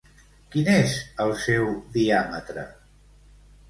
Quin és el seu diàmetre?